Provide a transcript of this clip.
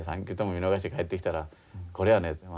３球とも見逃しで帰ってきたらこれはね